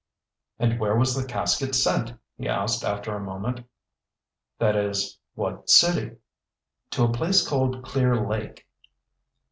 "And where was the casket sent?" he asked after a moment. "That is, what city?" "To a place called Clear Lake."